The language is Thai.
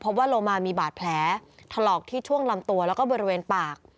เพราะว่าโลมามีบาดแผลถลอกที่ช่วงลำตัวแล้วก็บริเวณปาก